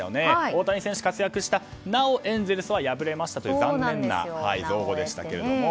大谷選手が活躍したがなおエンゼルスは敗れましたという残念な造語でしたけれども。